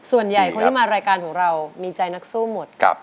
ส่วนใหญ่คนที่มารายการของเรามีใจนักสู้หมด